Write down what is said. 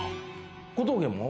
小峠も？